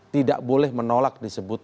tidak boleh menolak disebut